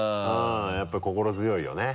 やっぱり心強いよね。